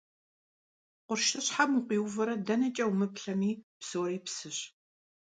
Къуршыщхьэм укъиувэрэ дэнэкӀэ умыплъэми, псори псыщ.